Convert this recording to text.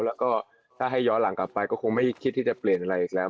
แล้วก็ถ้าให้ย้อนหลังกลับไปก็คงไม่คิดที่จะเปลี่ยนอะไรอีกแล้ว